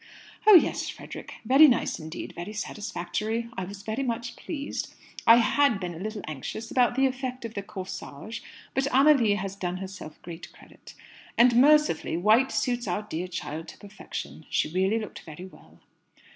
"Oh yes, Frederick; very nice indeed, very satisfactory. I was very much pleased. I had been a little anxious about the effect of the corsage, but Amélie has done herself great credit. And, mercifully, white suits our dear child to perfection. She really looked very well."